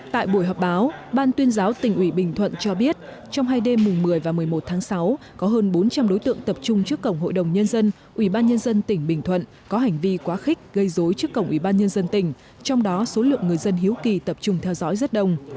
tại buổi họp báo ban tuyên giáo tỉnh ủy bình thuận cho biết trong hai đêm mùng một mươi và một mươi một tháng sáu có hơn bốn trăm linh đối tượng tập trung trước cổng hội đồng nhân dân ủy ban nhân dân tỉnh bình thuận có hành vi quá khích gây dối trước cổng ủy ban nhân dân tỉnh trong đó số lượng người dân hiếu kỳ tập trung theo dõi rất đông